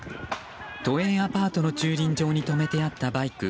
都営アパートの駐輪場に止めてあったバイク